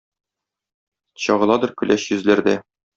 Чагыладыр көләч йөзләрдә.